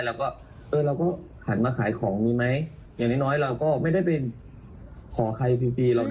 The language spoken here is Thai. เราก็เออเราก็หันมาขายของมีไหมอย่างน้อยเราก็ไม่ได้ไปขอใครฟรี